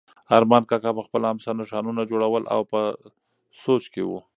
ارمان کاکا په خپله امسا نښانونه جوړول او په سوچ کې و.